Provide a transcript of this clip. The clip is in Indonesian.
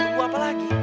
tunggu apa lagi